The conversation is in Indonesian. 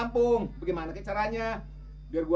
bukan saya asistan raja